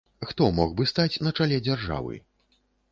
Хто мог бы стаць на чале дзяржавы?